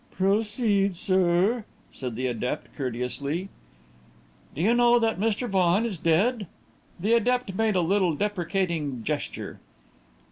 "Proceed, sir," said the adept, courteously. "Do you know that Mr. Vaughan is dead?" The adept made a little deprecating gesture.